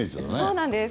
そうなんです。